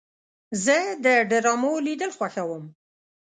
زه د ډرامو لیدل خوښوم.